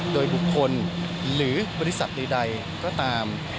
โดยบุคคลหรือบริษัทใดก็ตาม